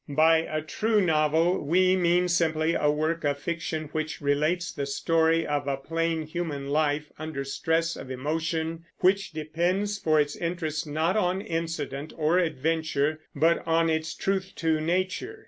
By a true novel we mean simply a work of fiction which relates the story of a plain human life, under stress of emotion, which depends for its interest not on incident or adventure, but on its truth to nature.